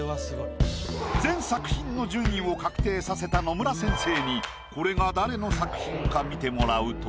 全作品の順位を確定させた野村先生にこれが誰の作品か見てもらうと。